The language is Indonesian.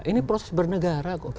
ini proses bernegara